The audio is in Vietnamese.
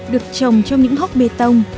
được trồng trong những hốc bê tông